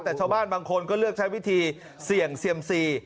แต่ชาวบ้านบางคนก็เลือกใช้วิธีเสี่ยงเซียมซี